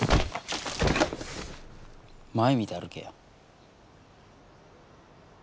前見て歩けよ。